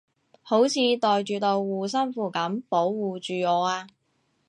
好似袋住道護身符噉保護住我啊